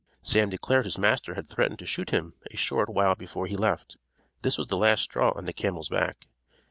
Sam declared his master had threatened to shoot him a short while before he left. This was the last straw on the camel's back.